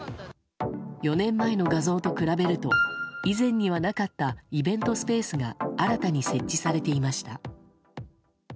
４年前の画像と比べると以前にはなかったイベントスペースが新たに設置されていました。